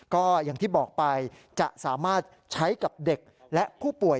ก็อย่างที่บอกไปจะสามารถใช้กับเด็กและผู้ป่วย